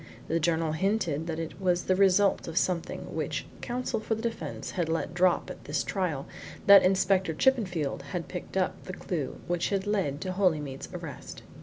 The journal hinted that it was the result of something which Counsel for the defence had let drop at this trial that Inspector Chippenfield had picked up the clue which had led to Holymead's arrest.